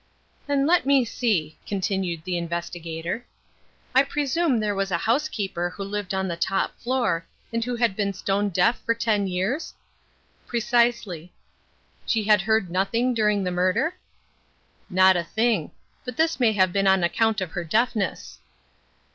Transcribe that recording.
"And let me see," continued the Investigator. "I presume there was a housekeeper who lived on the top floor, and who had been stone deaf for ten years?" "Precisely." "She had heard nothing during the murder?" "Not a thing. But this may have been on account of her deafness."